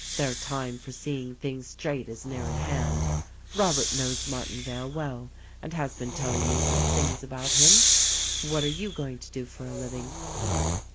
Their time for seeing things straight is near at hand. Robert knows Martinvale well, and has been telling me some things about him. What are you going to do for a living